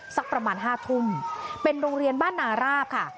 สักประมาณ๕ทุ่มเป็นโรงเรียนบ้านนาราบค่ะ